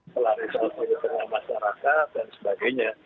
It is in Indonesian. polarisasi masyarakat dan sebagainya